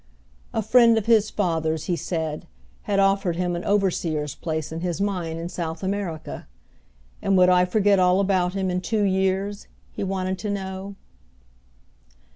A friend of his father's, he said, had offered him an overseer's place in his mine in South America; and would I forget all about him in two years, he wanted to know?